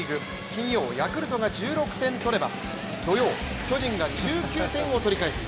金曜、ヤクルトが１６点取れば土曜、巨人が１９点を取り返す。